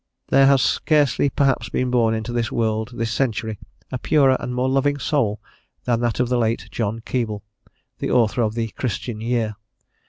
There has scarcely perhaps been born into the world this century a purer and more loving soul than that of the late John Keble, the author of the "Christian Year."